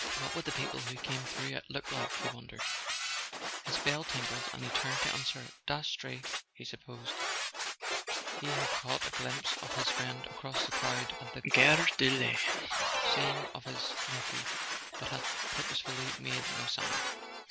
What would the people who came through it look like, he wondered. His bell tinkled, and he turned to answer it. Das trey, he supposed ... he had caught a glimpse of his friend across the crowd at the Gare de l'Est, seeing off his nephew, but had purposely made no sign.